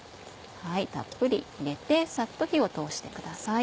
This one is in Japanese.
たっぷり入れてサッと火を通してください。